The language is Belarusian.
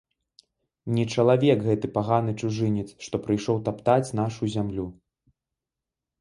Не чалавек гэты паганы чужынец, што прыйшоў таптаць нашу зямлю!